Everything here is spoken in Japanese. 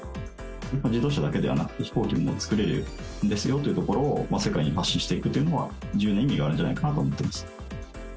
自動車だけではなくて、飛行機も造れるんですよというところを世界に発信していくというのは、重要な意味があるんじゃないかなと思ってます。